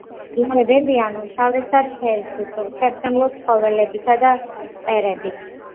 იკვებებიან უმთავრესად თევზით, უხერხემლო ცხოველებითა და მწერებით.